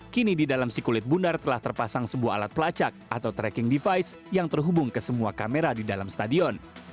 kini di dalam si kulit bundar telah terpasang sebuah alat pelacak atau tracking device yang terhubung ke semua kamera di dalam stadion